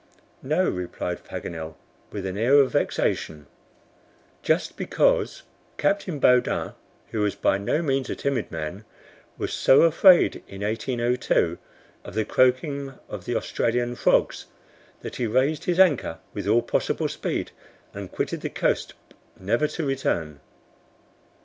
"No," replied Paganel, with an air of vexation. "Just because Captain Baudin, who was by no means a timid man, was so afraid in 1802, of the croaking of the Australian frogs, that he raised his anchor with all possible speed, and quitted the coast, never to return."